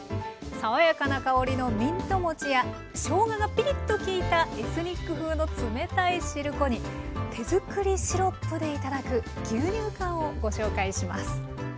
爽やかな香りのミントもちやしょうががピリッと効いたエスニック風の冷たいしるこに手作りシロップで頂く牛乳かんをご紹介します。